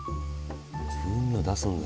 風味を出すんだ？